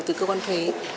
từ cơ quan thuế